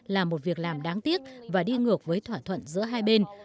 là một việc làm đáng tiếc và đi ngược với thỏa thuận giữa hai bên